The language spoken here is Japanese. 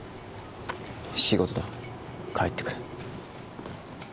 仕事だ帰ってくれ。